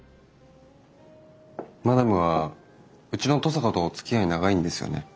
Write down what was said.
マダムはうちの登坂とおつきあい長いんですよね？